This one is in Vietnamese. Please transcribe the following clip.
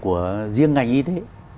của riêng ngành y tế